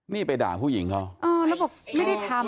นี่ไปด่าผู้หญิงเขาเออแล้วบอกไม่ได้ทำ